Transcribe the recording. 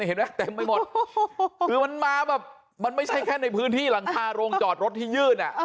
เห็นไหมเต็มไปหมดคือมันมาแบบมันไม่ใช่แค่ในพื้นที่หลังคาโรงจอดรถที่ยื่นอ่ะ